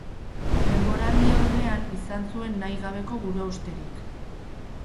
Denboraldi-aurrean izan zuen nahi gabeko buruhausterik.